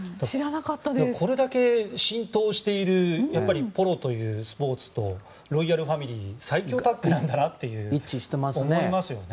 これだけ浸透しているポロというスポーツとロイヤルファミリー最強タッグなんだなと思います。